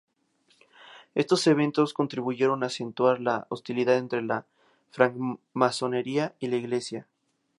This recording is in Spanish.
Estos eventos contribuyeron a acentuar la hostilidad entre la francmasonería y la iglesia.